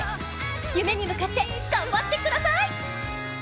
夢に向かって頑張ってください！